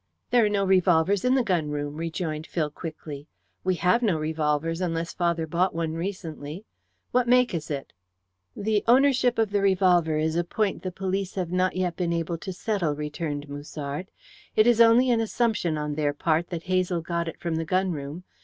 "There are no revolvers in the gun room," rejoined Phil quickly. "We have no revolvers, unless father bought one recently. What make is it?" "The ownership of the revolver is a point the police have not yet been able to settle," returned Musard. "It is only an assumption on their part that Hazel got it from the gun room.